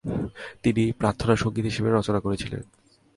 তিনি প্রার্থনাসঙ্গীত হিসেবে রচনা করেছিলেন -